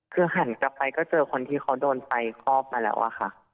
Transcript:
คือหันกลับไปก็เจอคนที่เขาโดนไฟคลอกมาแล้วอะค่ะ